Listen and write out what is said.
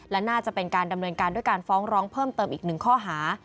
และน่าจะเป็นการดำเนินการด้วยการฟ้องร้องเพิ่มเติมอีกหนึ่งข้อหา